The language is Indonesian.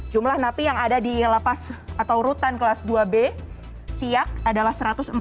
jumlah napi yang ada di lapas atau rutan kelas dua b siak adalah satu ratus empat puluh